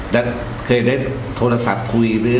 ได้เคยได้โทรศัพท์คุยหรือ